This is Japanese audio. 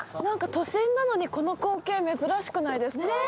何か都心なのにこの光景珍しくないですか？